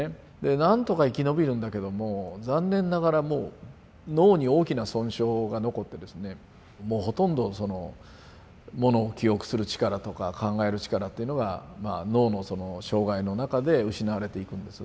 何とか生き延びるんだけども残念ながらもう脳に大きな損傷が残ってですねもうほとんどものを記憶する力とか考える力っていうのが脳のその障害の中で失われていくんです。